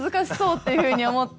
っていうふうに思って。